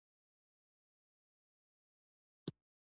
د پلار له دعاؤ سره ژوند اسانه دی.